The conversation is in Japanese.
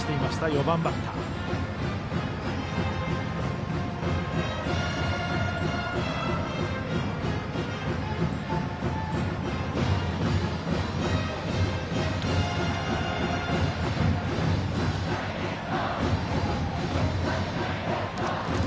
４番バッターの岡。